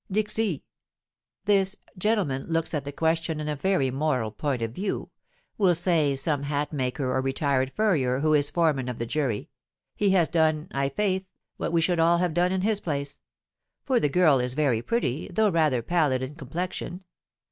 Dixi!' 'This gentleman looks at the question in a very moral point of view,' will say some hatmaker or retired furrier, who is foreman of the jury; 'he has done, i'faith, what we should all have done in his place; for the girl is very pretty, though rather pallid in complexion.